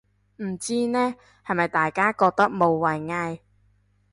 唔知呢，係咪大家覺得無謂嗌